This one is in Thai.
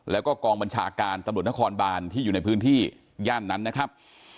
แล้วก็กองบัญชาการตำรวจนครบานที่อยู่ในพื้นที่ย่านนั้นนะครับ